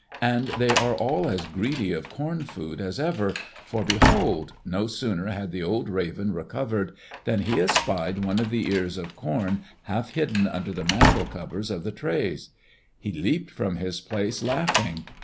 And they are all as greedy of corn food as ever, for behold! No sooner had the old Raven recovered than he espied one of the ears of corn half hidden under the mantle covers of the trays. He leaped from his place laughing.